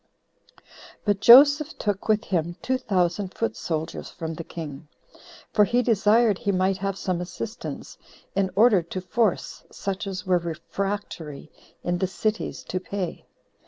5. But Joseph took with him two thousand foot soldiers from the king, for he desired he might have some assistance, in order to force such as were refractory in the cities to pay.